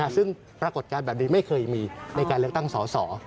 ซึ่งปรากฏการณ์แบบนี้ไม่เคยมีในการเลือกตั้งสอสอ